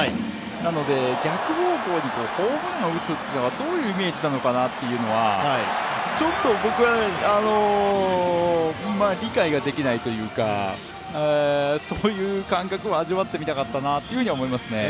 なので、逆方向にホームランを打つというのはどういうイメージなのかなというのはちょっと僕は理解ができないというか、そういう感覚は味わってみたかったなとは思いますね。